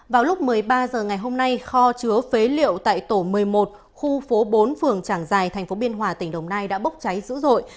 vào lúc một mươi ba h ngày hôm nay kho chứa phế liệu tại tổ một mươi một khu phố bốn phường trảng giài thành phố biên hòa tỉnh đồng nai đã bốc cháy dữ dội